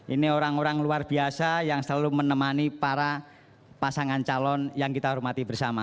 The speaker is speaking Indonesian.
ini orang orang luar biasa yang selalu menemani para pasangan calon yang kita hormati bersama